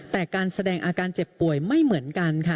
แต่การแสดงอาการเจ็บป่วยไม่เหมือนกันค่ะ